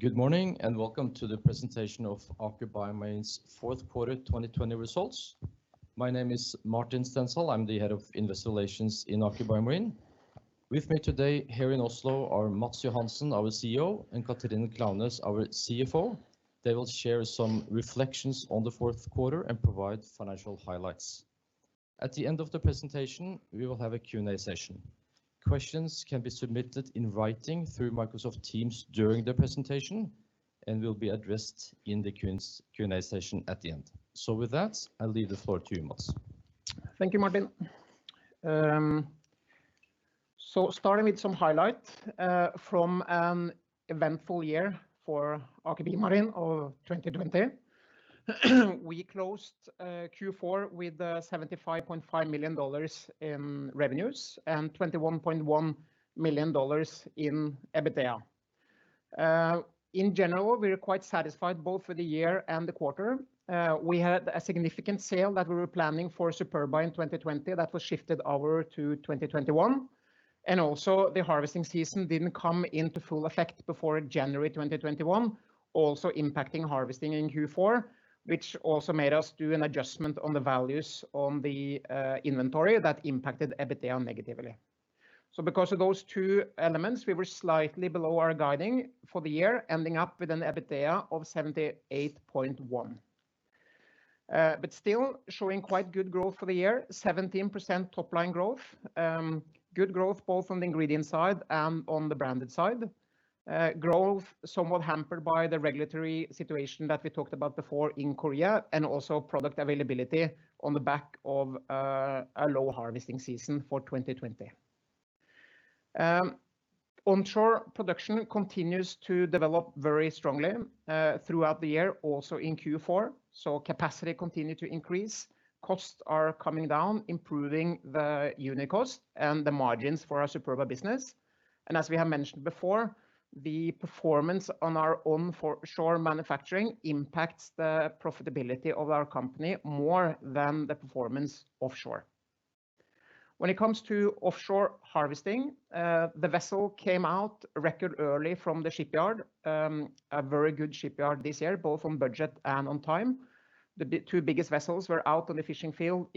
Good morning, and welcome to the presentation of Aker BioMarine's Fourth Quarter 2020 Results. My name is Martin Stenshall. I'm the Head of Investor Relations in Aker BioMarine. With me today here in Oslo are Matts Johansen, our CEO, and Katrine Klaveness, our CFO. They will share some reflections on the fourth quarter and provide financial highlights. At the end of the presentation, we will have a Q&A session. Questions can be submitted in writing through Microsoft Teams during the presentation and will be addressed in the Q&A session at the end. With that, I leave the floor to you, Matts. Thank you, Martin. Starting with some highlights from an eventful year for Aker BioMarine of 2020. We closed Q4 with $75.5 million in revenues and $21.1 million in EBITDA. In general, we are quite satisfied both with the year and the quarter. We had a significant sale that we were planning for Superba in 2020 that was shifted over to 2021, and also the harvesting season didn't come into full effect before January 2021, also impacting harvesting in Q4, which also made us do an adjustment on the values on the inventory that impacted EBITDA negatively. Because of those two elements, we were slightly below our guiding for the year, ending up with an EBITDA of $78.1 million. Still showing quite good growth for the year, 17% top-line growth. Good growth both on the ingredient side and on the branded side. Growth somewhat hampered by the regulatory situation that we talked about before in Korea and also product availability on the back of a low harvesting season for 2020. Onshore production continues to develop very strongly throughout the year, also in Q4. Capacity continue to increase. Costs are coming down, improving the unit cost and the margins for our Superba business. As we have mentioned before, the performance on our onshore manufacturing impacts the profitability of our company more than the performance offshore. When it comes to offshore harvesting, the vessel came out record early from the shipyard. A very good shipyard this year, both on budget and on time. The two biggest vessels were out on the fishing field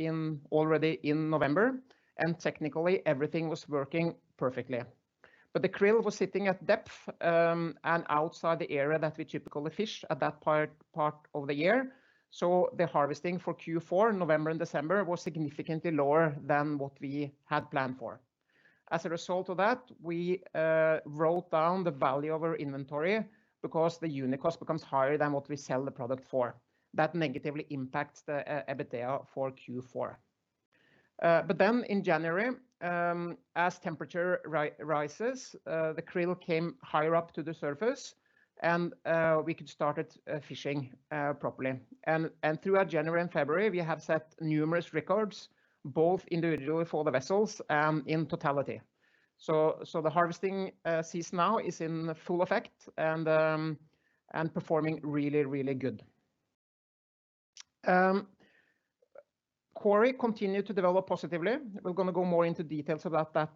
already in November, and technically everything was working perfectly. The krill was sitting at depth, and outside the area that we typically fish at that part of the year. The harvesting for Q4 in November and December was significantly lower than what we had planned for. As a result of that, we wrote down the value of our inventory because the unit cost becomes higher than what we sell the product for. That negatively impacts the EBITDA for Q4. In January, as temperature rises, the krill came higher up to the surface, and we could start fishing properly. Throughout January and February, we have set numerous records, both individually for the vessels and in totality. The harvesting season now is in full effect and performing really, really good. Kori continued to develop positively. We're going to go more into details about that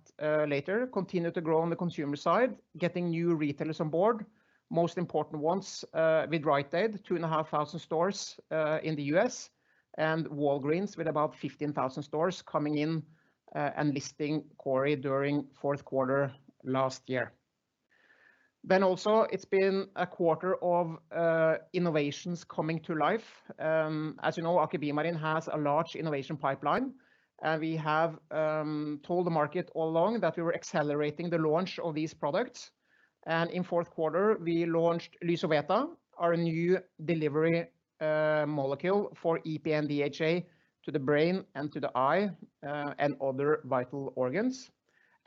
later. Continue to grow on the consumer side, getting new retailers on board. Most important ones, with Rite Aid, 2,500 stores in the U.S., and Walgreens with about 15,000 stores coming in and listing Kori during fourth quarter last year. Also it's been a quarter of innovations coming to life. As you know, Aker BioMarine has a large innovation pipeline, and we have told the market all along that we were accelerating the launch of these products. In fourth quarter, we launched LYSOVETA, our new delivery molecule for EPA and DHA to the brain and to the eye, and other vital organs.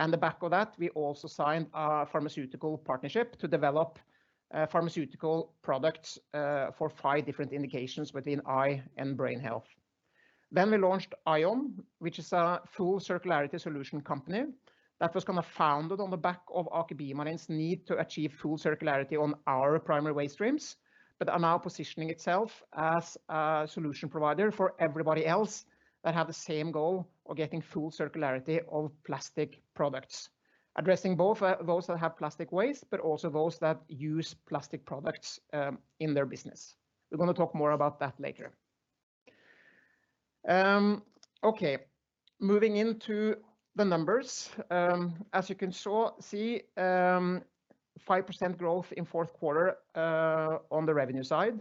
The back of that, we also signed a pharmaceutical partnership to develop pharmaceutical products for five different indications within eye and brain health. We launched AION, which is a full circularity solution company that was kind of founded on the back of Aker BioMarine's need to achieve full circularity on our primary waste streams, but are now positioning itself as a solution provider for everybody else that have the same goal of getting full circularity of plastic products. Addressing both those that have plastic waste, but also those that use plastic products in their business. We're going to talk more about that later. Okay. Moving into the numbers. As you can see, 5% growth in fourth quarter, on the revenue side,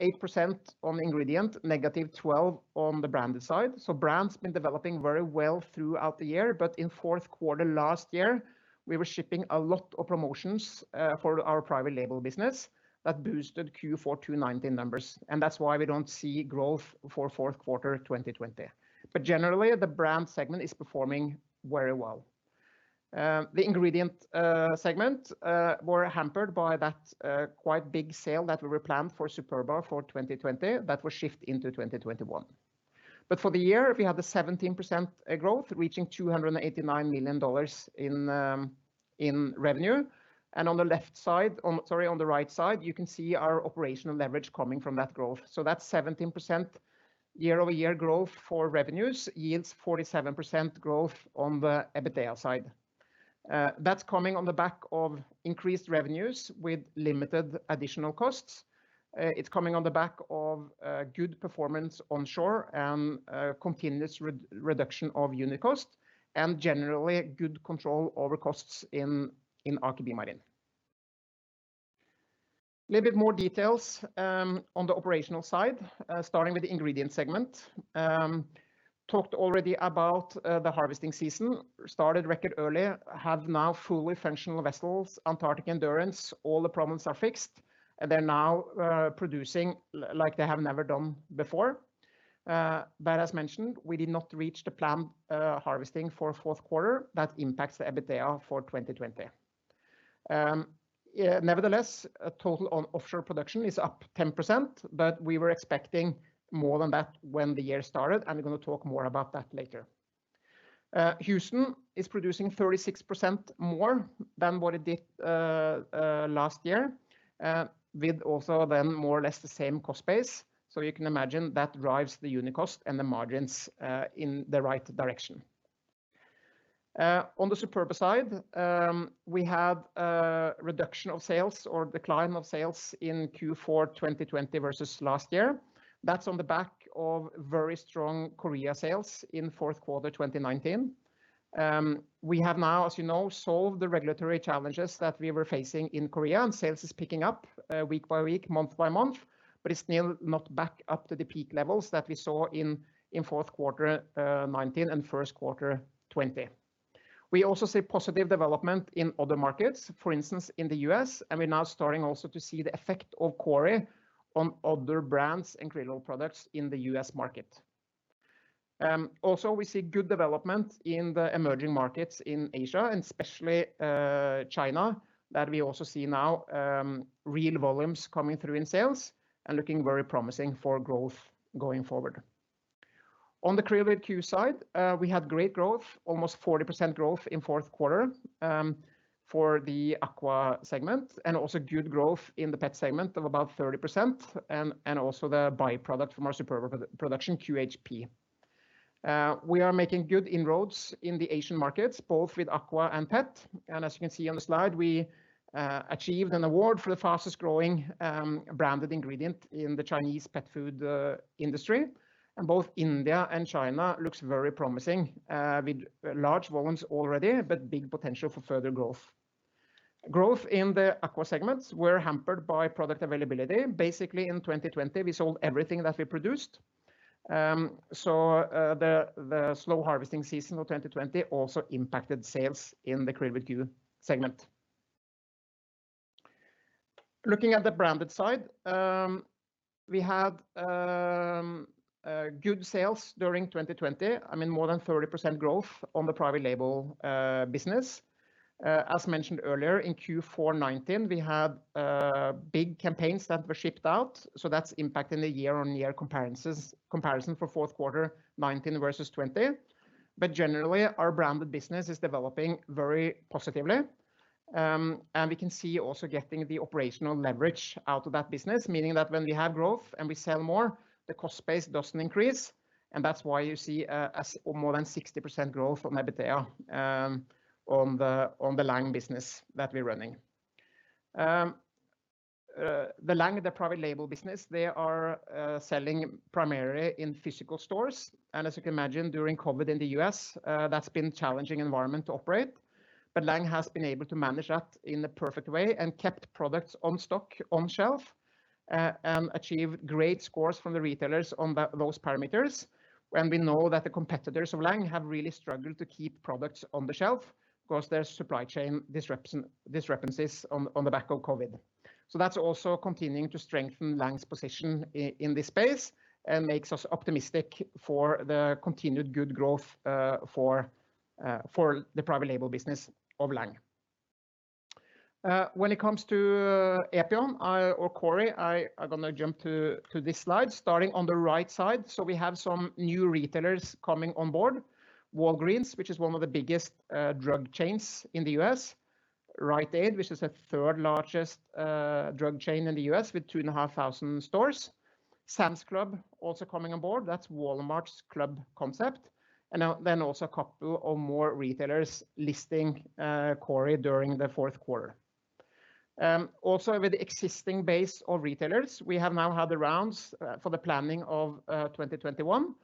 8% on ingredient, -12% on the branded side. Brand's been developing very well throughout the year, but in fourth quarter last year, we were shipping a lot of promotions for our private label business that boosted Q4 2019 numbers. That's why we don't see growth for fourth quarter 2020. Generally, the brand segment is performing very well. The ingredient segment were hampered by that quite big sale that we were planned for Superba for 2020. That will shift into 2021. For the year, we had a 17% growth, reaching $289 million in revenue. On the right side, you can see our operational leverage coming from that growth. That's 17% year-over-year growth for revenues yields 47% growth on the EBITDA side. That's coming on the back of increased revenues with limited additional costs. It's coming on the back of good performance onshore and continuous reduction of unit cost, generally good control over costs in Aker BioMarine. Little bit more details on the operational side, starting with the ingredient segment. Talked already about the harvesting season. Started record early, have now fully functional vessels, Antarctic Endurance, all the problems are fixed. They're now producing like they have never done before. As mentioned, we did not reach the planned harvesting for fourth quarter that impacts the EBITDA for 2020. Nevertheless, total offshore production is up 10%, we were expecting more than that when the year started, we're going to talk more about that later. Houston is producing 36% more than what it did last year, with also more or less the same cost base. You can imagine that drives the unit cost and the margins in the right direction. On the Superba side, we have a reduction of sales or decline of sales in Q4 2020 versus last year. That's on the back of very strong Korea sales in fourth quarter 2019. We have now, as you know, solved the regulatory challenges that we were facing in Korea, and sales is picking up week by week, month by month, but it's still not back up to the peak levels that we saw in fourth quarter 2019 and first quarter 2020. We also see positive development in other markets, for instance, in the U.S., and we're now starting also to see the effect of Kori on other brands and krill oil products in the U.S. market. Also, we see good development in the emerging markets in Asia and especially China, that we also see now real volumes coming through in sales and looking very promising for growth going forward. On the QRILL side, we had great growth, almost 40% growth in fourth quarter, for the aqua segment and also good growth in the pet segment of about 30%, and also the byproduct from our Superba production, QHP. As you can see on the slide, we achieved an award for the Fastest Growing Branded Ingredient in the Chinese Pet Food Industry. Both India and China looks very promising, with large volumes already, but big potential for further growth. Growth in the aqua segments were hampered by product availability. Basically in 2020, we sold everything that we produced. The slow harvesting season of 2020 also impacted sales in the QRILL segment. Looking at the branded side, we had good sales during 2020. More than 30% growth on the private label business. As mentioned earlier, in Q4 2019, we had big campaigns that were shipped out, that's impacting the year-on-year comparison for fourth quarter 2019 versus 2020. Generally, our branded business is developing very positively. We can see also getting the operational leverage out of that business, meaning that when we have growth and we sell more, the cost base doesn't increase, and that's why you see more than 60% growth on EBITDA on the Lang business that we're running. The Lang, the private label business, they are selling primarily in physical stores. As you can imagine, during COVID in the U.S., that's been challenging environment to operate. Lang has been able to manage that in the perfect way and kept products on stock, on shelf, and achieved great scores from the retailers on those parameters. We know that the competitors of Lang Pharma Nutrition have really struggled to keep products on the shelf because there is supply chain discrepancies on the back of COVID. That is also continuing to strengthen Lang Pharma Nutrition's position in this space and makes us optimistic for the continued good growth for the private label business of Lang Pharma Nutrition. When it comes to Epion Brands or Kori, I am going to jump to this slide, starting on the right side. We have some new retailers coming on board. Walgreens, which is one of the biggest drug chains in the U.S. Rite Aid, which is the third largest drug chain in the U.S. with 2,500 stores. Sam's Club also coming on board. That is Walmart's club concept. Then also a couple or more retailers listing Kori during the fourth quarter. With existing base of retailers, we have now had the rounds for the planning of 2021.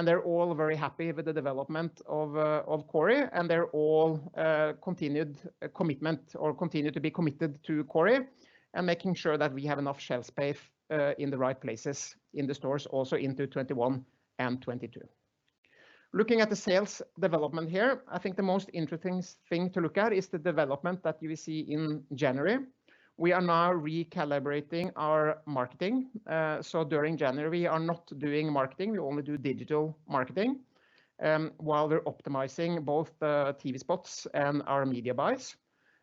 They're all very happy with the development of Kori. They're all continued commitment or continue to be committed to Kori and making sure that we have enough shelf space in the right places in the stores also into 2021 and 2022. Looking at the sales development here, I think the most interesting thing to look at is the development that you will see in January. We are now recalibrating our marketing. During January, we are not doing marketing. We only do digital marketing, while we're optimizing both the TV spots and our media buys.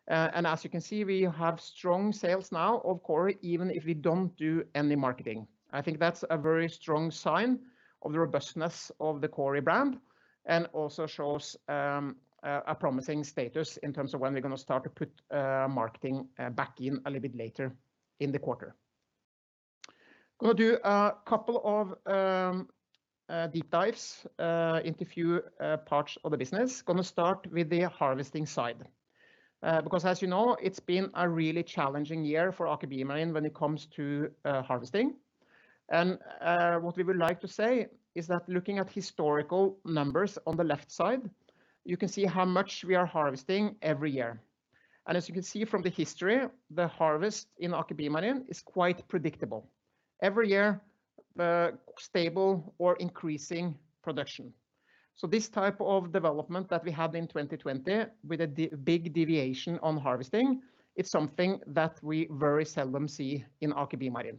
As you can see, we have strong sales now of Kori, even if we don't do any marketing. I think that's a very strong sign of the robustness of the Kori brand and also shows a promising status in terms of when we're going to start to put marketing back in a little bit later in the quarter. Going to do a couple of deep dives into a few parts of the business. Going to start with the harvesting side. As you know, it's been a really challenging year for Aker BioMarine when it comes to harvesting. What we would like to say is that looking at historical numbers on the left side, you can see how much we are harvesting every year. As you can see from the history, the harvest in Aker BioMarine is quite predictable. Every year, stable or increasing production. This type of development that we had in 2020 with a big deviation on harvesting, it's something that we very seldom see in Aker BioMarine.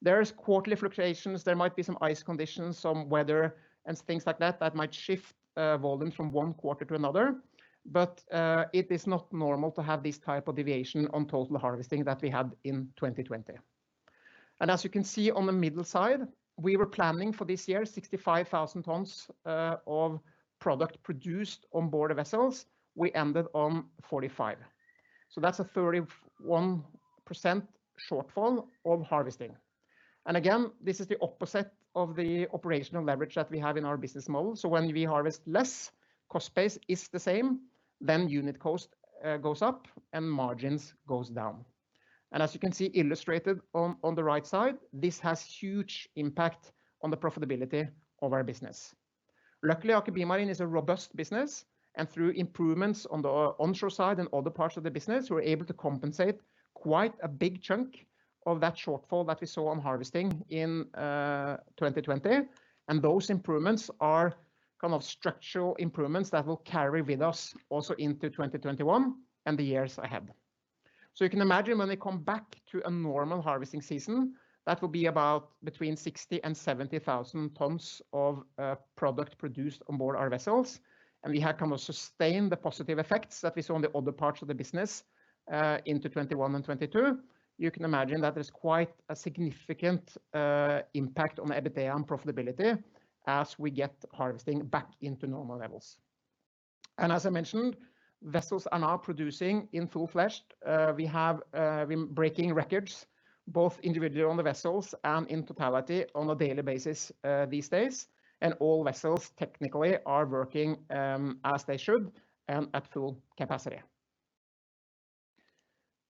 There is quarterly fluctuations. There might be some ice conditions, some weather and things like that might shift volume from one quarter to another. It is not normal to have this type of deviation on total harvesting that we had in 2020. As you can see on the middle side, we were planning for this year 65,000 tons of product produced on board vessels. We ended on 45%. That's a 31% shortfall of harvesting. Again, this is the opposite of the operational leverage that we have in our business model. When we harvest less, cost base is the same, then unit cost goes up and margins goes down. As you can see illustrated on the right side, this has huge impact on the profitability of our business. Luckily, Aker BioMarine is a robust business, and through improvements on the onshore side and other parts of the business, we're able to compensate quite a big chunk of that shortfall that we saw on harvesting in 2020. Those improvements are structural improvements that will carry with us also into 2021 and the years ahead. You can imagine when we come back to a normal harvesting season, that will be about between 60,000 and 70,000 tons of product produced on board our vessels. We have sustained the positive effects that we saw on the other parts of the business, into 2021 and 2022. You can imagine that there's quite a significant impact on EBITDA and profitability as we get harvesting back into normal levels. As I mentioned, vessels are now producing in full flesh. We have been breaking records, both individually on the vessels and in totality on a daily basis these days. All vessels technically are working as they should and at full capacity.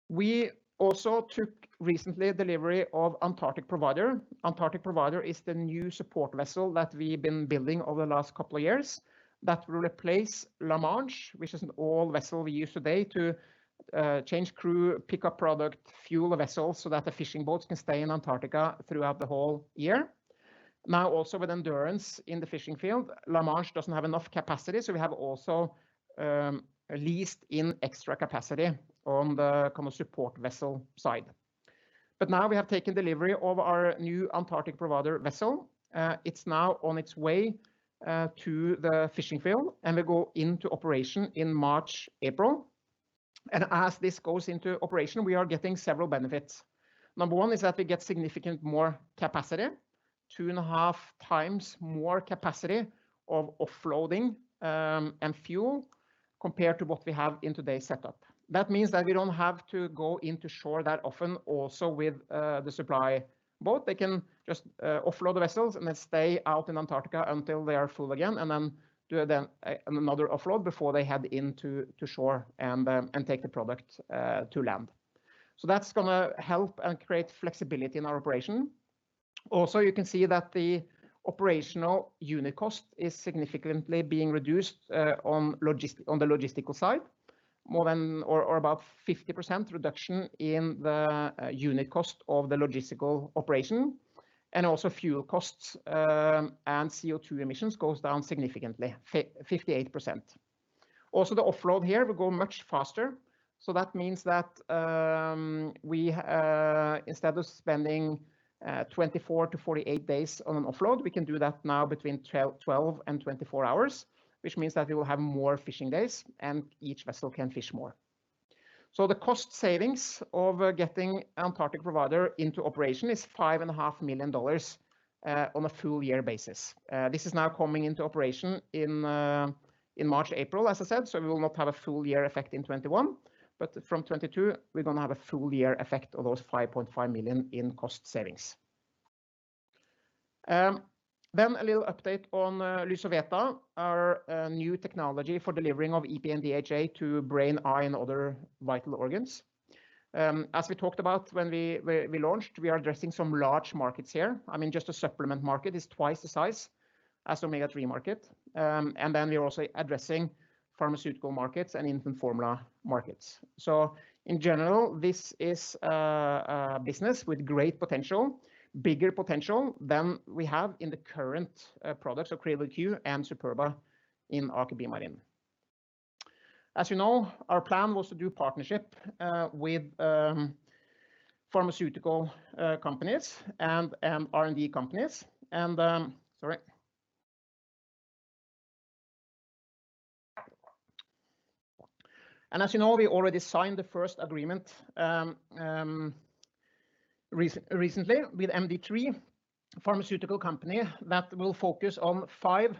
We also took recently delivery of Antarctic Provider. Antarctic Provider is the new support vessel that we've been building over the last couple of years that will replace La Manche, which is an old vessel we use today to change crew, pick up product, fuel the vessels so that the fishing boats can stay in Antarctica throughout the whole year. Now also with Endurance in the fishing field, La Manche doesn't have enough capacity, so we have also leased in extra capacity on the common support vessel side. Now we have taken delivery of our new Antarctic Provider vessel. It's now on its way to the fishing field, and will go into operation in March, April. As this goes into operation, we are getting several benefits. Number one is that we get significant more capacity, 2.5x more capacity of offloading and fuel compared to what we have in today's setup. That means that we don't have to go into shore that often also with the supply boat. They can just offload the vessels and then stay out in Antarctica until they are full again and then do another offload before they head into shore and take the product to land. That's going to help and create flexibility in our operation. You can see that the operational unit cost is significantly being reduced on the logistical side, more than or about 50% reduction in the unit cost of the logistical operation and also fuel costs, and CO2 emissions goes down significantly, 58%. The offload here will go much faster. That means that instead of spending 24-48 days on an offload, we can do that now between 12-24 hours, which means that we will have more fishing days and each vessel can fish more. The cost savings of getting Antarctic Provider into operation is $5.5 million on a full year basis. This is now coming into operation in March, April, as I said, so we will not have a full year effect in 2021. From 2022, we're going to have a full year effect of those $5.5 million in cost savings. A little update on LYSOVETA, our new technology for delivering of EPA and DHA to brain, eye, and other vital organs. As we talked about when we launched, we are addressing some large markets here. Just the supplement market is twice the size as omega-3 market. We are also addressing pharmaceutical markets and infant formula markets. In general, this is a business with great potential, bigger potential than we have in the current products of KRILL and Superba in Aker BioMarine. As you know, our plan was to do partnership with pharmaceutical companies and R&D companies. Sorry. As you know, we already signed the first agreement recently with MD3, a pharmaceutical company that will focus on five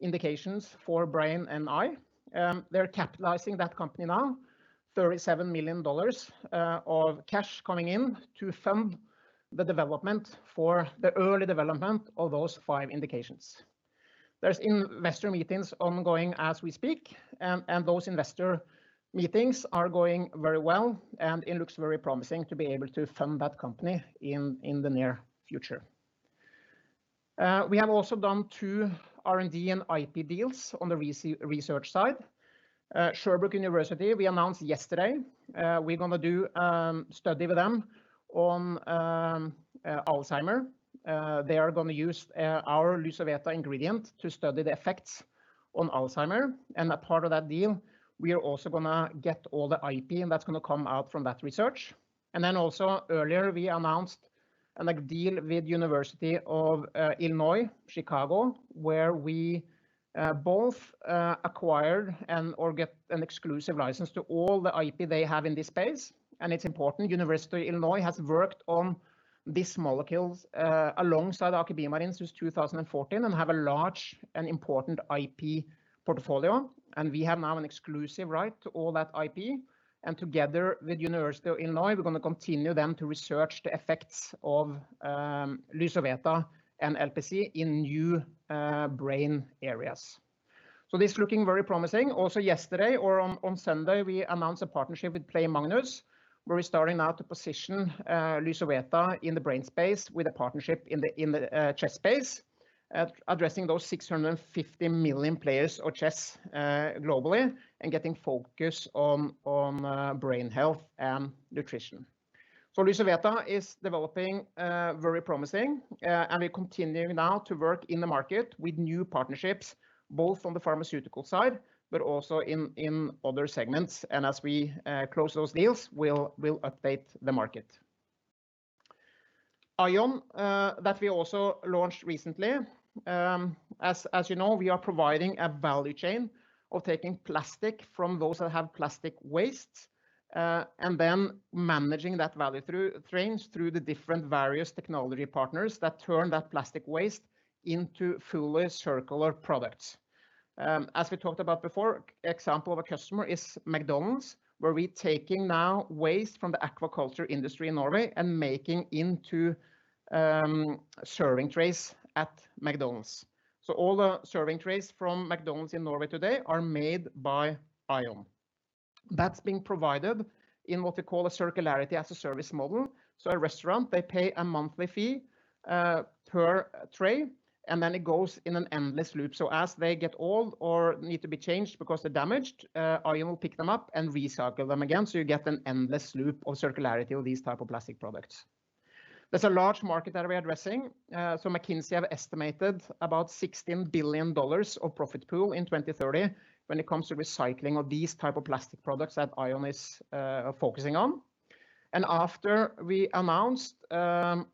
indications for brain and eye. They're capitalizing that company now, $37 million of cash coming in to fund the development for the early development of those five indications. There's investor meetings ongoing as we speak, and those investor meetings are going very well, and it looks very promising to be able to fund that company in the near future. We have also done two R&D and IP deals on the research side. Sherbrooke University, we announced yesterday, we're going to do study with them on Alzheimer. They are going to use our LYSOVETA ingredient to study the effects on Alzheimer, and a part of that deal, we are also going to get all the IP, and that's going to come out from that research. Also earlier we announced a deal with University of Illinois Chicago, where we both acquired and/or get an exclusive license to all the IP they have in this space. It's important, University of Illinois has worked on these molecules, alongside Aker BioMarine since 2014 and have a large and important IP portfolio. We have now an exclusive right to all that IP. Together with University of Illinois, we're going to continue then to research the effects of LYSOVETA and LPC in new brain areas. This is looking very promising. Also yesterday or on Sunday, we announced a partnership with Play Magnus, where we're starting now to position LYSOVETA in the brain space with a partnership in the chess space, addressing those 650 million players of chess globally and getting focus on brain health and nutrition. LYSOVETA is developing very promising, and we're continuing now to work in the market with new partnerships, both on the pharmaceutical side, but also in other segments. As we close those deals, we'll update the market. AION, we also launched recently. As you know, we are providing a value chain of taking plastic from those that have plastic waste, then managing that value through trains, through the different various technology partners that turn that plastic waste into fuller circular products. As we talked about before, example of a customer is McDonald's, where we taking now waste from the aquaculture industry in Norway and making into serving trays at McDonald's. All the serving trays from McDonald's in Norway today are made by AION. That's being provided in what we call a circularity-as-a-service model. A restaurant, they pay a monthly fee per tray, it goes in an endless loop. As they get old or need to be changed because they're damaged, AION will pick them up and recycle them again, so you get an endless loop of circularity of these type of plastic products. There's a large market that we're addressing. McKinsey have estimated about $16 billion of profit pool in 2030 when it comes to recycling of these type of plastic products that AION is focusing on. After we announced AION,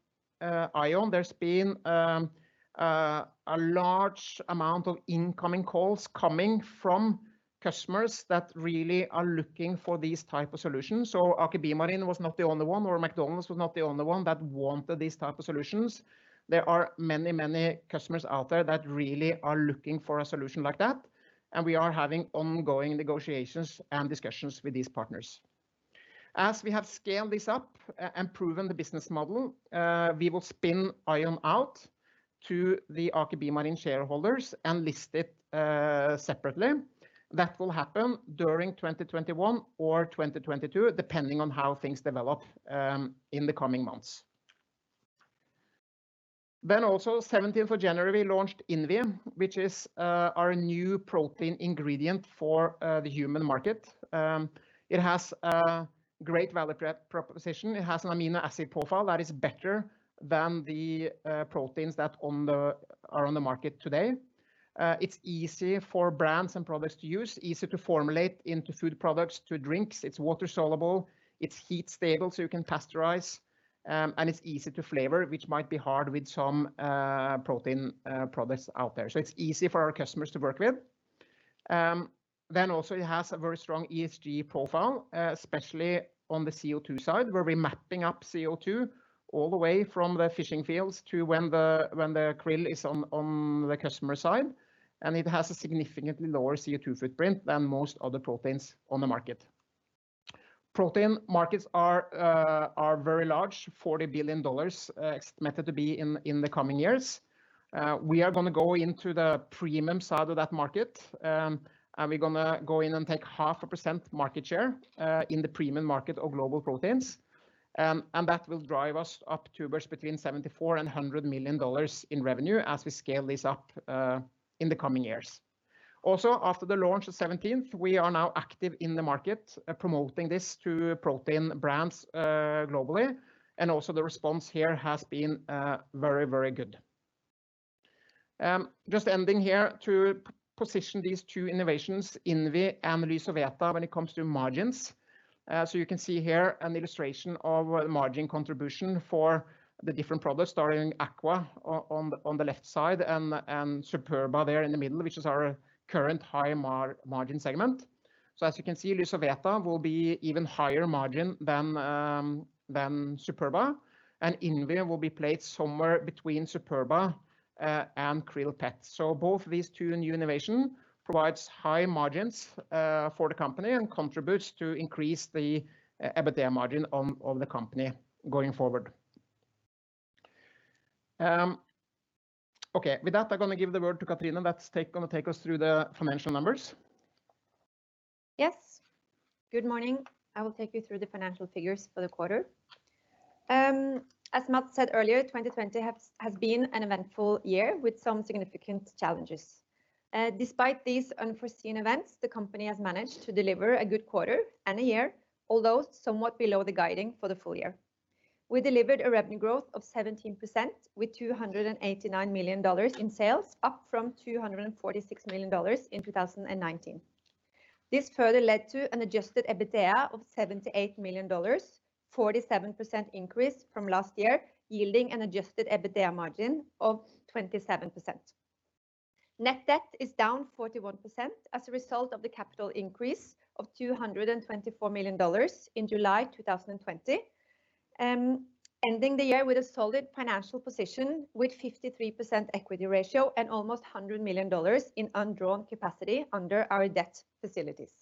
there's been a large amount of incoming calls coming from customers that really are looking for these type of solutions. Aker BioMarine was not the only one, or McDonald's was not the only one that wanted these type of solutions. There are many customers out there that really are looking for a solution like that, and we are having ongoing negotiations and discussions with these partners. As we have scaled this up and proven the business model, we will spin AION out to the Aker BioMarine shareholders and list it separately. That will happen during 2021 or 2022, depending on how things develop in the coming months. Also, 17th of January, we launched INVI, which is our new protein ingredient for the human market. It has a great value proposition. It has an amino acid profile that is better than the proteins that are on the market today. It's easy for brands and products to use, easy to formulate into food products, to drinks. It's water-soluble, it's heat stable, so you can pasteurize. It's easy to flavor, which might be hard with some protein products out there. It's easy for our customers to work with. Also it has a very strong ESG profile, especially on the CO2 side, where we're mapping up CO2 all the way from the fishing fields to when the krill is on the customer side, and it has a significantly lower CO2 footprint than most other proteins on the market. Protein markets are very large, $40 billion estimated to be in the coming years. We are going to go into the premium side of that market, and we're going to go in and take 0.5% market share in the premium market of global proteins. That will drive us up to between $74 million-$100 million in revenue as we scale this up in the coming years. Also, after the launch of 17th, we are now active in the market promoting this to protein brands globally, and also the response here has been very good. Just ending here to position these two innovations, INVI and LYSOVETA, when it comes to margins. You can see here an illustration of the margin contribution for the different products, starting Aqua on the left side and Superba there in the middle, which is our current high margin segment. As you can see, LYSOVETA will be even higher margin than Superba, and INVI will be placed somewhere between Superba and KRILL Pet. Both these two new innovation provides high margins for the company and contributes to increase the EBITDA margin of the company going forward. With that, I'm going to give the word to Katrine that's going to take us through the financial numbers. Good morning. I will take you through the financial figures for the quarter. As Matts said earlier, 2020 has been an eventful year with some significant challenges. Despite these unforeseen events, the company has managed to deliver a good quarter and a year, although somewhat below the guiding for the full year. We delivered a revenue growth of 17% with $289 million in sales, up from $246 million in 2019. This further led to an adjusted EBITDA of $78 million, 47% increase from last year, yielding an adjusted EBITDA margin of 27%. Net debt is down 41% as a result of the capital increase of $224 million in July 2020, ending the year with a solid financial position with 53% equity ratio and almost $100 million in undrawn capacity under our debt facilities.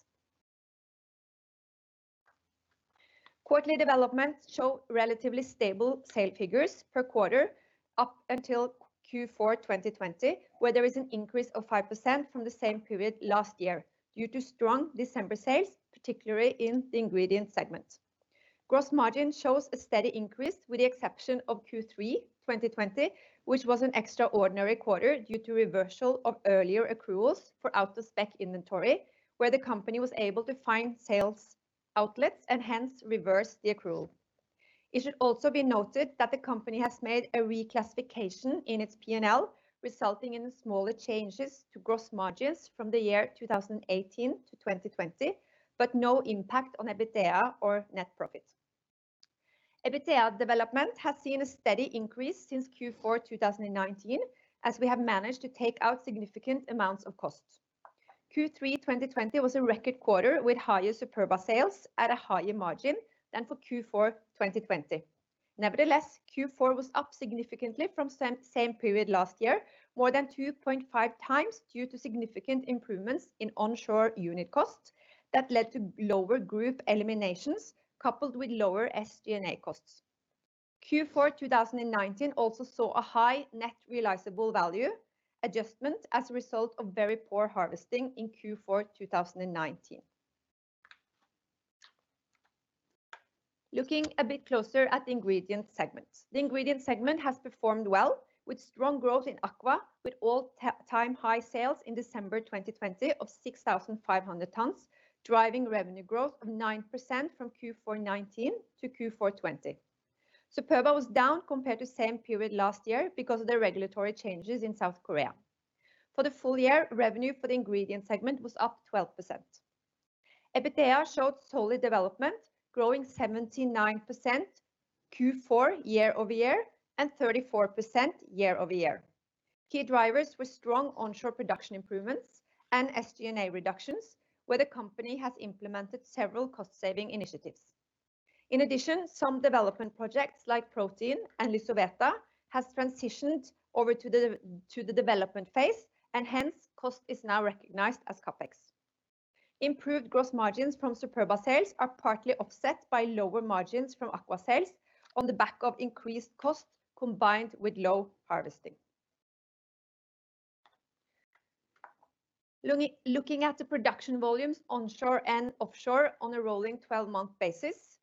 Quarterly developments show relatively stable sale figures per quarter up until Q4 2020, where there is an increase of 5% from the same period last year due to strong December sales, particularly in the ingredient segment. Gross margin shows a steady increase with the exception of Q3 2020, which was an extraordinary quarter due to reversal of earlier accruals for out-of-spec inventory, where the company was able to find sales outlets and hence reverse the accrual. It should also be noted that the company has made a reclassification in its P&L, resulting in smaller changes to gross margins from the year 2018-2020, but no impact on EBITDA or net profit. EBITDA development has seen a steady increase since Q4 2019 as we have managed to take out significant amounts of costs. Q3 2020 was a record quarter with higher Superba sales at a higher margin than for Q4 2020. Q4 was up significantly from same period last year, more than 2.5x due to significant improvements in onshore unit costs that led to lower group eliminations, coupled with lower SG&A costs. Q4 2019 also saw a high net realizable value adjustment as a result of very poor harvesting in Q4 2019. Looking a bit closer at the ingredient segment. The ingredient segment has performed well with strong growth in Aqua, with all-time high sales in December 2020 of 6,500 tons, driving revenue growth of 9% from Q4 2019 to Q4 2020. Superba was down compared to same period last year because of the regulatory changes in South Korea. For the full year, revenue for the ingredient segment was up 12%. EBITDA showed solid development, growing 79% Q4 year-over-year and 34% year-over-year. Key drivers were strong onshore production improvements and SG&A reductions, where the company has implemented several cost-saving initiatives. In addition, some development projects like protein and LYSOVETA has transitioned over to the development phase, and hence cost is now recognized as CapEx. Improved gross margins from Superba sales are partly offset by lower margins from Aqua sales on the back of increased costs combined with low harvesting. Looking at the production volumes onshore and offshore on a rolling 12-month basis,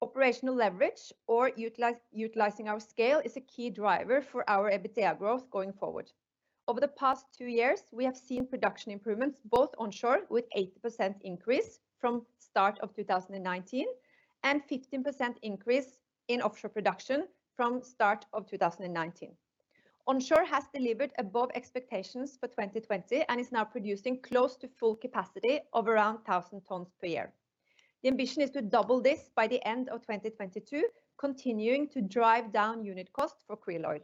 operational leverage or utilizing our scale is a key driver for our EBITDA growth going forward. Over the past two years, we have seen production improvements both onshore with 8% increase from start of 2019 and 15% increase in offshore production from start of 2019. Onshore has delivered above expectations for 2020 and is now producing close to full capacity of around 1,000 tons per year. The ambition is to double this by the end of 2022, continuing to drive down unit costs for Krill Oil.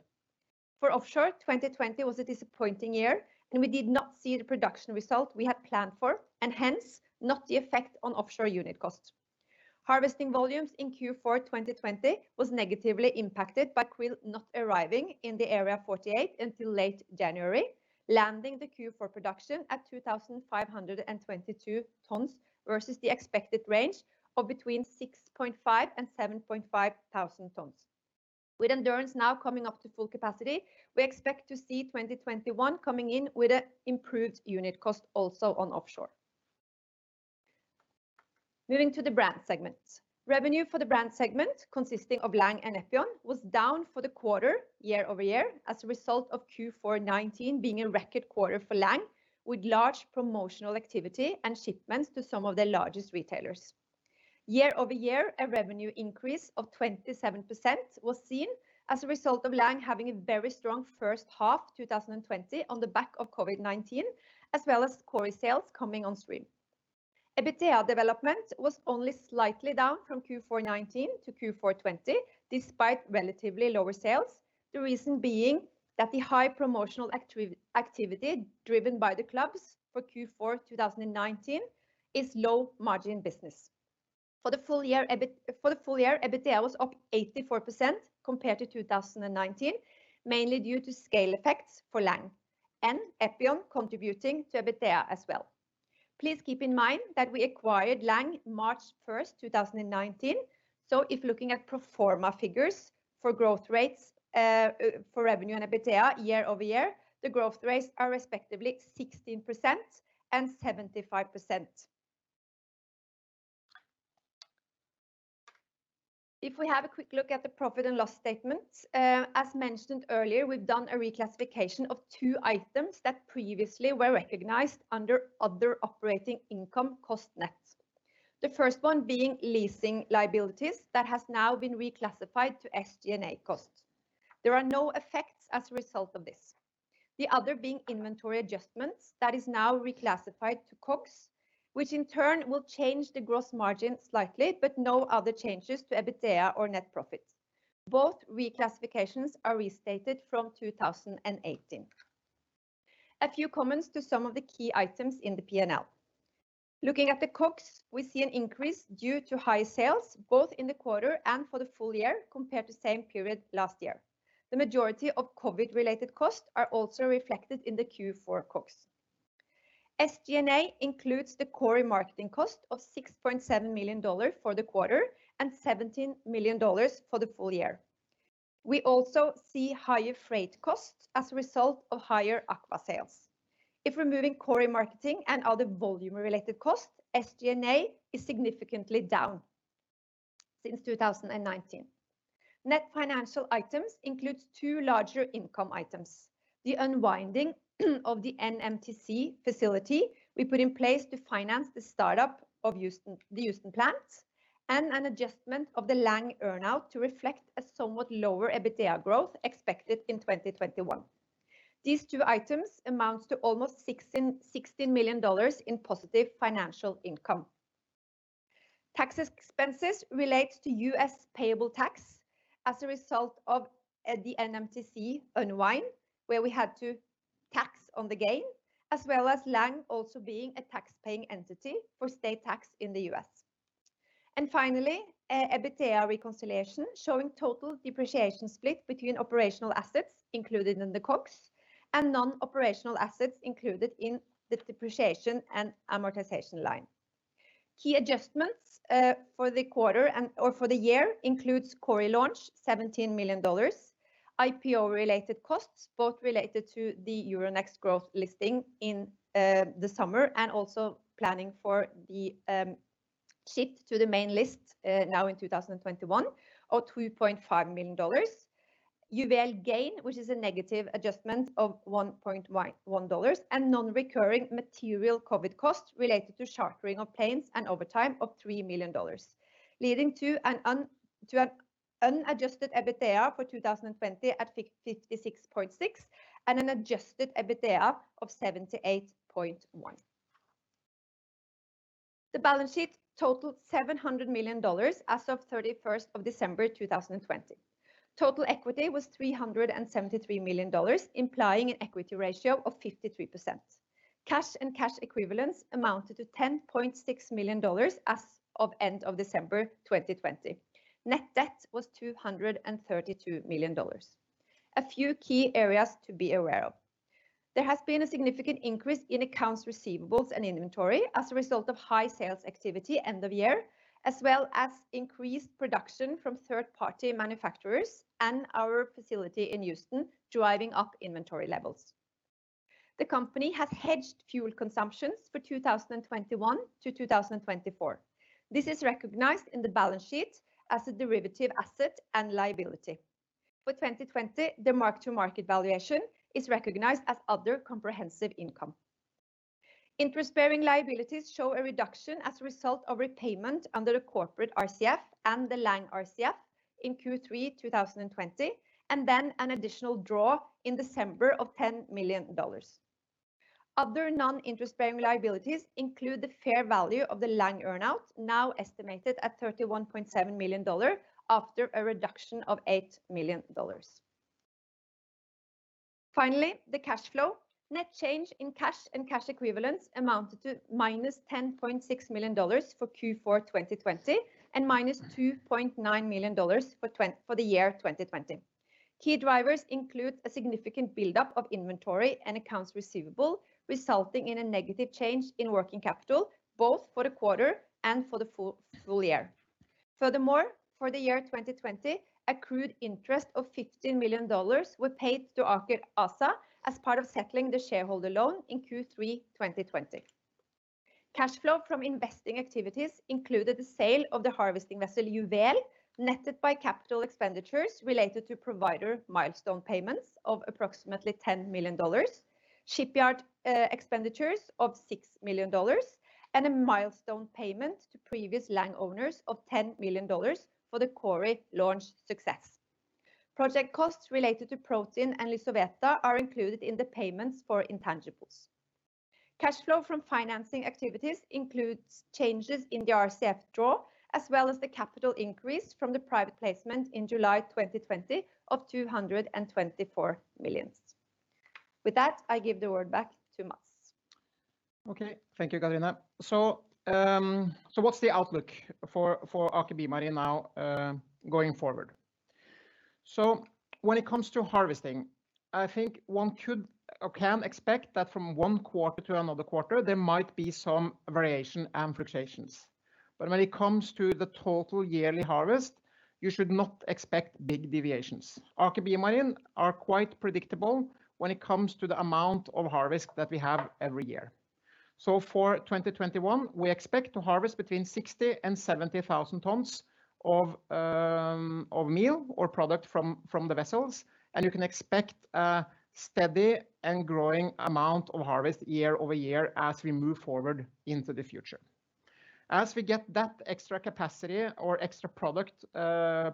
For offshore, 2020 was a disappointing year and we did not see the production result we had planned for, and hence not the effect on offshore unit costs. Harvesting volumes in Q4 2020 was negatively impacted by KRILL not arriving in the Area 48 until late January, landing the Q4 production at 2,522 tons versus the expected range of between 6.5 thousand tons and 7.5 thousand tons. With Endurance now coming up to full capacity, we expect to see 2021 coming in with an improved unit cost also on offshore. Moving to the brand segment. Revenue for the brand segment, consisting of Lang and Epion, was down for the quarter year-over-year as a result of Q4 2019 being a record quarter for Lang, with large promotional activity and shipments to some of the largest retailers. Year-over-year, a revenue increase of 27% was seen as a result of Lang having a very strong first half 2020 on the back of COVID-19, as well as Kori sales coming on stream. EBITDA development was only slightly down from Q4 2019 to Q4 2020, despite relatively lower sales, the reason being that the high promotional activity driven by the clubs for Q4 2019 is low-margin business. For the full year, EBITDA was up 84% compared to 2019, mainly due to scale effects for Lang and Epion contributing to EBITDA as well. Please keep in mind that we acquired Lang March 1st, 2019. If looking at pro forma figures for growth rates, for revenue and EBITDA year-over-year, the growth rates are respectively 16% and 75%. If we have a quick look at the profit and loss statement, as mentioned earlier, we've done a reclassification of two items that previously were recognized under other operating income cost net. The first one being leasing liabilities that has now been reclassified to SG&A costs. There are no effects as a result of this. The other being inventory adjustments that is now reclassified to COGS, which in turn will change the gross margin slightly, but no other changes to EBITDA or net profits. Both reclassifications are restated from 2018. A few comments to some of the key items in the P&L. Looking at the COGS, we see an increase due to high sales both in the quarter and for the full year, compared to same period last year. The majority of COVID-related costs are also reflected in the Q4 COGS. SG&A includes the core marketing cost of $6.7 million for the quarter and $17 million for the full year. We also see higher freight costs as a result of higher Aker sales. If removing core marketing and other volume-related costs, SG&A is significantly down since 2019. Net financial items includes two larger income items. The unwinding of the NMTC facility we put in place to finance the startup of the Houston plant, and an adjustment of the Lang earn-out to reflect a somewhat lower EBITDA growth expected in 2021. These two items amounts to almost $16 million in positive financial income. Tax expenses relates to U.S. payable tax as a result of the NMTC unwind, where we had to tax on the gain, as well as Lang also being a tax-paying entity for state tax in the U.S. Finally, EBITDA reconciliation showing total depreciation split between operational assets included in the COGS and non-operational assets included in the depreciation and amortization line. Key adjustments for the year includes Kori launch, $17 million, IPO-related costs, both related to the Euronext Growth listing in the summer, and also planning for the shift to the main list now in 2021 of $2.5 million. Juvel gain, which is a negative adjustment of $1.1 and non-recurring material COVID costs related to chartering of planes and overtime of $3 million, leading to an unadjusted EBITDA for 2020 at $56.6 and an adjusted EBITDA of $78.1. The balance sheet totaled $700 million as of 31st of December 2020. Total equity was $373 million, implying an equity ratio of 53%. Cash and cash equivalents amounted to $10.6 million as of end of December 2020. Net debt was $232 million. A few key areas to be aware of. There has been a significant increase in accounts receivables and inventory as a result of high sales activity end of year, as well as increased production from third-party manufacturers and our facility in Houston driving up inventory levels. The company has hedged fuel consumptions for 2021 to 2024. This is recognized in the balance sheet as a derivative asset and liability. For 2020, the mark-to-market valuation is recognized as other comprehensive income. Interest-bearing liabilities show a reduction as a result of repayment under the corporate RCF and the Lang RCF in Q3 2020, and then an additional draw in December of $10 million. Other non-interest-bearing liabilities include the fair value of the Lang earn-out, now estimated at $31.7 million after a reduction of $8 million. Finally, the cash flow. Net change in cash and cash equivalents amounted to -$10.6 million for Q4 2020 and -$2.9 million for the year 2020. Key drivers include a significant buildup of inventory and accounts receivable, resulting in a negative change in working capital, both for the quarter and for the full year. Furthermore, for the year 2020, accrued interest of $15 million were paid to Aker ASA as part of settling the shareholder loan in Q3 2020. Cash flow from investing activities included the sale of the harvesting vessel Juvel, netted by capital expenditures related to provider milestone payments of approximately $10 million, shipyard expenditures of $6 million, and a milestone payment to previous Lang owners of $10 million for the Kori launch success. Project costs related to protein and LYSOVETA are included in the payments for intangibles. Cash flow from financing activities includes changes in the RCF draw, as well as the capital increase from the private placement in July 2020 of $224 million. With that, I give the word back to Matts. Okay. Thank you, Katrine. What's the outlook for Aker BioMarine now going forward? When it comes to harvesting, I think one can expect that from one quarter to another quarter, there might be some variation and fluctuations. When it comes to the total yearly harvest, you should not expect big deviations. Aker BioMarine are quite predictable when it comes to the amount of harvest that we have every year. For 2021, we expect to harvest between 60,000 and 70,000 tons of meal or product from the vessels, and you can expect a steady and growing amount of harvest year-over-year as we move forward into the future. As we get that extra capacity or extra product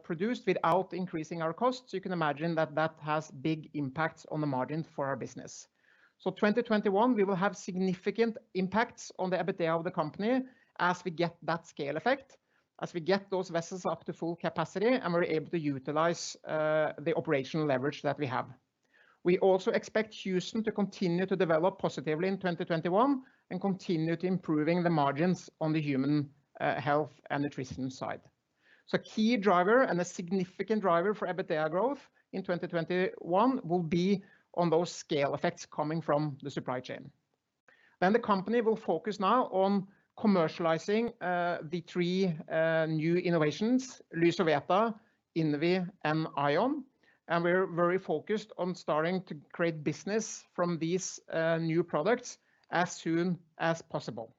produced without increasing our costs, you can imagine that has big impacts on the margin for our business. 2021, we will have significant impacts on the EBITDA of the company as we get that scale effect, as we get those vessels up to full capacity, and we're able to utilize the operational leverage that we have. We also expect Epion Brands to continue to improving the margins on the human health and nutrition side. A key driver and a significant driver for EBITDA growth in 2021 will be on those scale effects coming from the supply chain. The company will focus now on commercializing the three new innovations, LYSOVETA, INVI, and AION, and we're very focused on starting to create business from these new products as soon as possible.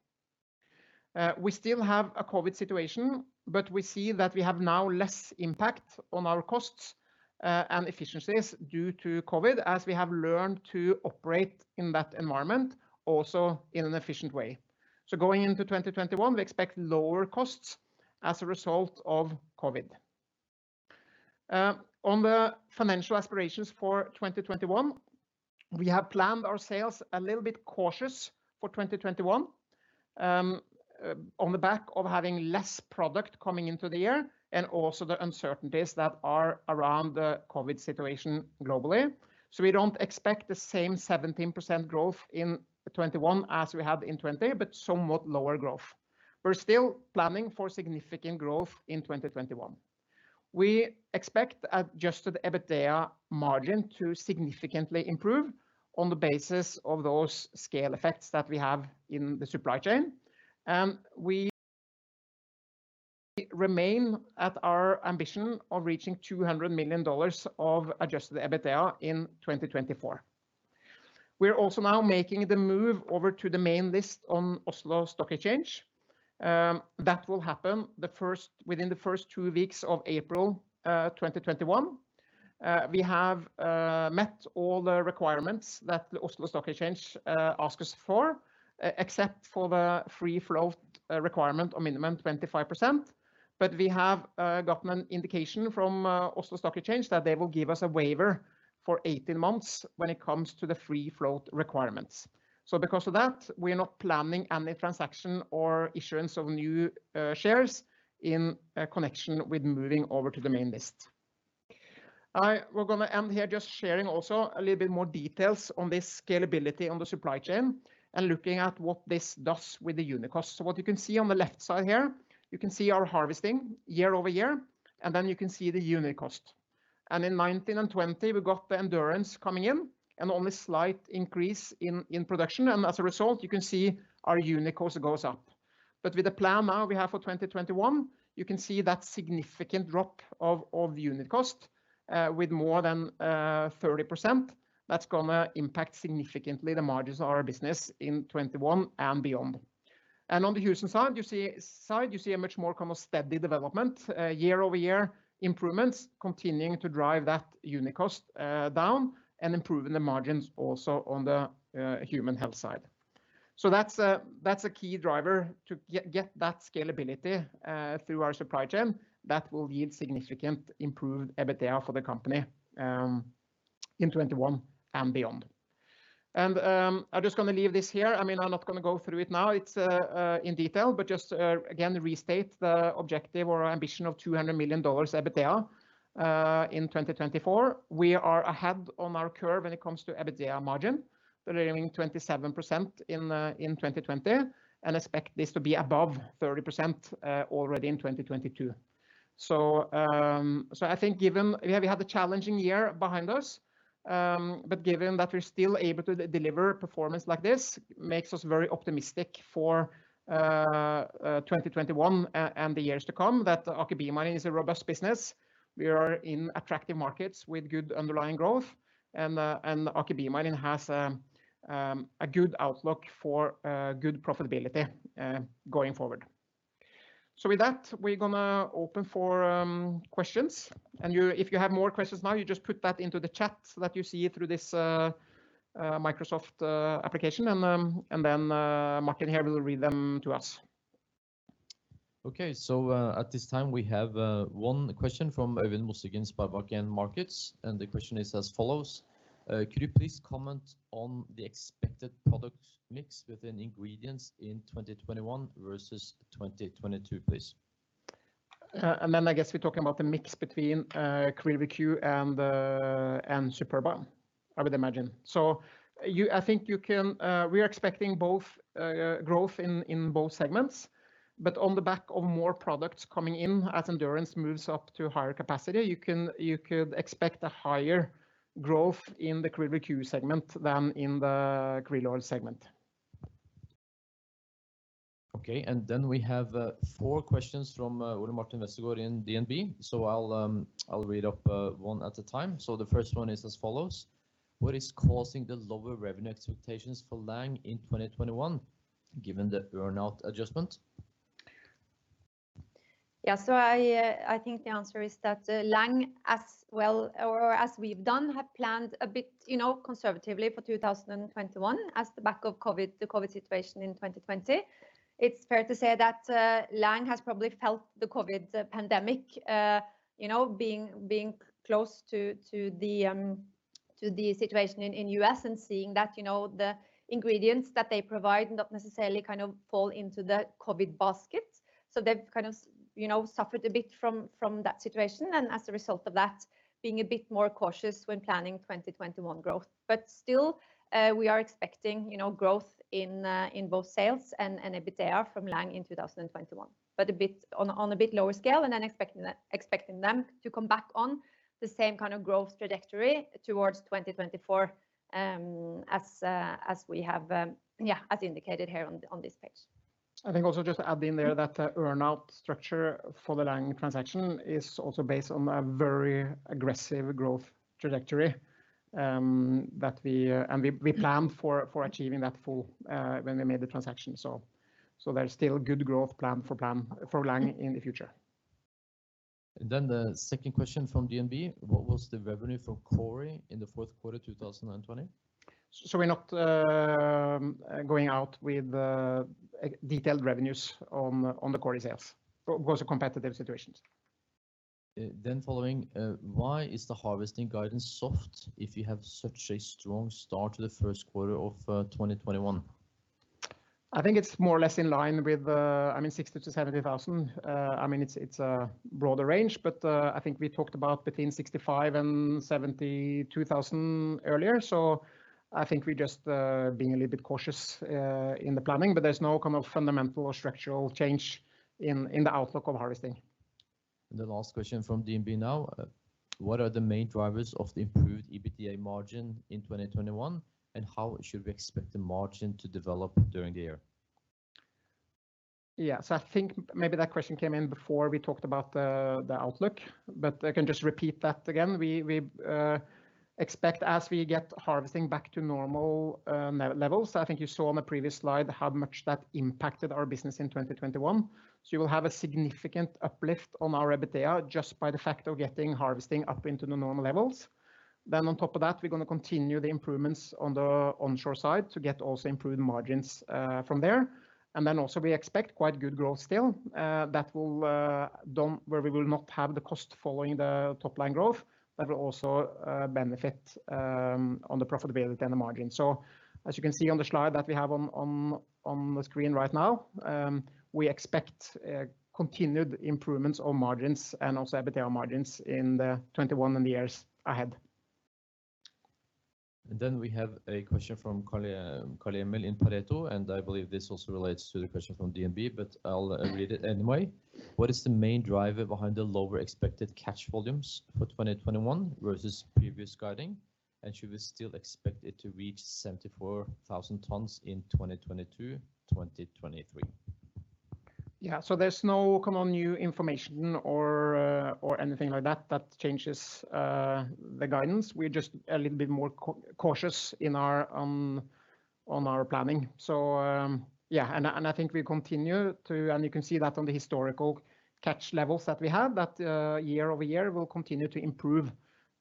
We still have a COVID situation, but we see that we have now less impact on our costs and efficiencies due to COVID, as we have learned to operate in that environment, also in an efficient way. Going into 2021, we expect lower costs as a result of COVID. On the financial aspirations for 2021, we have planned our sales a little bit cautious for 2021, on the back of having less product coming into the year and also the uncertainties that are around the COVID situation globally. We don't expect the same 17% growth in 2021 as we had in 2020, but somewhat lower growth. We're still planning for significant growth in 2021. We expect adjusted EBITDA margin to significantly improve on the basis of those scale effects that we have in the supply chain. We remain at our ambition of reaching $200 million of adjusted EBITDA in 2024. We are also now making the move over to the main list on Oslo Stock Exchange. That will happen within the first two weeks of April 2021. We have met all the requirements that the Oslo Stock Exchange asked us for, except for the free float requirement of minimum 25%. We have gotten an indication from Oslo Stock Exchange that they will give us a waiver for 18 months when it comes to the free float requirements. Because of that, we are not planning any transaction or issuance of new shares in connection with moving over to the main list. We're going to end here just sharing also a little bit more details on this scalability on the supply chain and looking at what this does with the unit cost. What you can see on the left side here, you can see our harvesting year-over-year, and then you can see the unit cost. In 2019 and 2020, we got the Endurance coming in and only slight increase in production. As a result, you can see our unit cost goes up. With the plan now we have for 2021, you can see that significant drop of unit cost with more than 30%. That's going to impact significantly the margins of our business in 2021 and beyond. On the KRILL side, you see a much more steady development, year-over-year improvements, continuing to drive that unit cost down and improving the margins also on the human health side. That's a key driver to get that scalability through our supply chain that will yield significant improved EBITDA for the company in 2021 and beyond. I'm just going to leave this here. I'm not going to go through it now in detail, but just again, restate the objective or ambition of $200 million EBITDA in 2024. We are ahead on our curve when it comes to EBITDA margin, delivering 27% in 2020, and expect this to be above 30% already in 2022. I think we have had the challenging year behind us, but given that we're still able to deliver performance like this makes us very optimistic for 2021 and the years to come that Aker BioMarine is a robust business. We are in attractive markets with good underlying growth, and Aker BioMarine has a good outlook for good profitability going forward. With that, we're going to open for questions. If you have more questions now, you just put that into the chat that you see through this Microsoft application, and then Martin here will read them to us. Okay, at this time, we have one question from Øyvind Mosengen, SpareBank 1 Markets: "Could you please comment on the expected product mix within ingredients in 2021 versus 2022, please? I guess we're talking about the mix between KRILL and Superba, I would imagine. We are expecting growth in both segments, but on the back of more products coming in as Endurance moves up to higher capacity, you could expect a higher growth in the QRILL Aqua segment than in the krill oil segment. Okay. We have four questions from Ole Martin Westgaard in DNB. I'll read up one at a time. The first one is as follows: what is causing the lower revenue expectations for Lang in 2021, given the earn-out adjustment? Yeah. I think the answer is that Lang, as we've done, have planned a bit conservatively for 2021 as the back of the COVID situation in 2020. It's fair to say that Lang has probably felt the COVID pandemic, being close to the situation in U.S. and seeing that the ingredients that they provide not necessarily fall into the COVID basket. They've suffered a bit from that situation, and as a result of that, being a bit more cautious when planning 2021 growth. Still, we are expecting growth in both sales and EBITDA from Lang in 2021. On a bit lower scale and then expecting them to come back on the same kind of growth trajectory towards 2024 as indicated here on this page. I think also just to add in there that the earn-out structure for the Lang transaction is also based on a very aggressive growth trajectory. We planned for achieving that full when we made the transaction. There's still good growth plan for Lang in the future. The second question from DNB: what was the revenue for Kori in the fourth quarter 2020? We're not going out with detailed revenues on the Kori sales. Those are competitive situations. Following: why is the harvesting guidance soft if you have such a strong start to the first quarter of 2021? I think it's more or less in line with 60,000 to 70,000. It's a broader range. I think we talked about between 65,000 and 72,000 earlier. I think we're just being a little bit cautious in the planning. There's no fundamental structural change in the outlook of harvesting. The last question from DNB now: what are the main drivers of the improved EBITDA margin in 2021, and how should we expect the margin to develop during the year? Yeah. I think maybe that question came in before we talked about the outlook, but I can just repeat that again. We expect as we get harvesting back to normal levels, I think you saw on the previous slide how much that impacted our business in 2021. You will have a significant uplift on our EBITDA just by the fact of getting harvesting up into the normal levels. On top of that, we're going to continue the improvements on the onshore side to get also improved margins from there. Also, we expect quite good growth still, where we will not have the cost following the top line growth. That will also benefit on the profitability and the margin. As you can see on the slide that we have on the screen right now, we expect continued improvements on margins and also EBITDA margins in 2021 and the years ahead. We have a question from Carl-Emil in Pareto, and I believe this also relates to the question from DNB, but I'll read it anyway. What is the main driver behind the lower expected catch volumes for 2021 versus previous guiding, and should we still expect it to reach 74,000 tons in 2022, 2023? Yeah. There's no new information or anything like that that changes the guidance. We're just a little bit more cautious on our planning. Yeah. You can see that on the historical catch levels that we have, that year-over-year, we'll continue to improve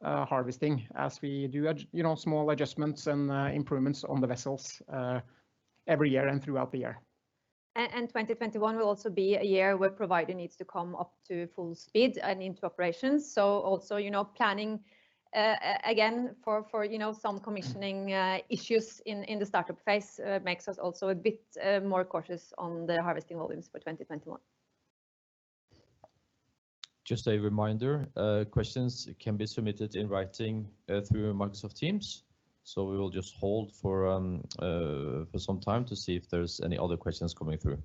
harvesting as we do small adjustments and improvements on the vessels every year and throughout the year. 2021 will also be a year where Provider needs to come up to full speed and into operations. Also planning again for some commissioning issues in the startup phase makes us also a bit more cautious on the harvesting volumes for 2021. Just a reminder, questions can be submitted in writing through Microsoft Teams. We will just hold for some time to see if there's any other questions coming through.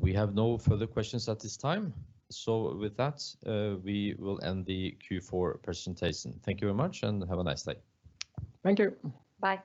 We have no further questions at this time. With that, we will end the Q4 presentation. Thank you very much, and have a nice day. Thank you. Bye.